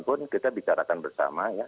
pun kita bicarakan bersama ya